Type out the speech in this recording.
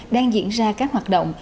đang diễn ra các hoạt động